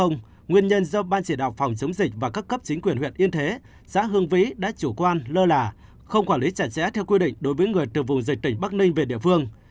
nguyên nhân do ban chỉ đạo phòng chống dịch và các cấp chính quyền huyện yên thế xã hương vĩ đã chủ quan lơ là không quản lý chặt chẽ theo quy định đối với người từ vùng dịch tỉnh bắc ninh về địa phương